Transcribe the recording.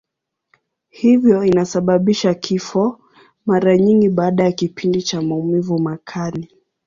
Hivyo inasababisha kifo, mara nyingi baada ya kipindi cha maumivu makali.